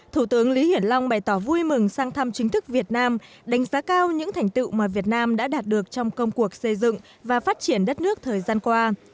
thủ tướng lý hiển long bày tỏ vui mừng sang thăm chính thức việt nam đánh giá cao những thành tựu mà việt nam đã đạt được trong công cuộc xây dựng và phát triển đất nước thời gian qua